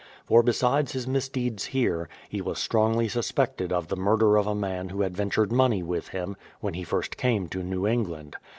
For, besides his misdeeds here, he was strongly suspected of the murder of a man who had ventured money with him, when he first came to New England.